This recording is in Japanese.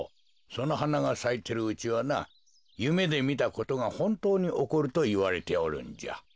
そのはながさいてるうちはなゆめでみたことがほんとうにおこるといわれておるんじゃ。